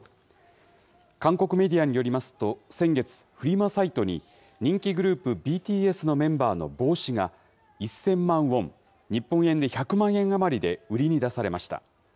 韓国メディアによりますと、先月、フリマサイトに人気グループ、ＢＴＳのメンバーの帽子が、１０００万ウォン、日本円で１００万円余りで売りに出されました。